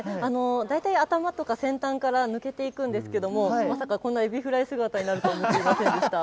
大体頭とか先端から抜けていくんですけども、まさか、こんなエビフライ姿になるとは思いませんでした。